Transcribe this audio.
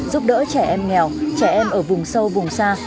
giúp đỡ trẻ em nghèo trẻ em ở vùng sâu vùng xa